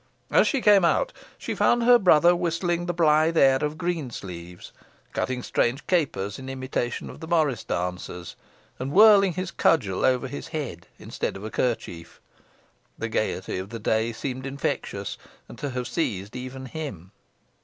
As she came out, she found her brother whistling the blithe air of "Green Sleeves," cutting strange capers, in imitation of the morris dancers, and whirling his cudgel over his head instead of a kerchief. The gaiety of the day seemed infectious, and to have seized even him.